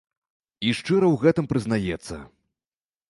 І шчыра ў гэтым прызнаецца.